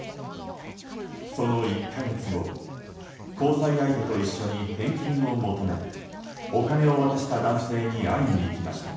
その１か月後交際相手と一緒に返金を求めお金を渡した男性に会いに行きました。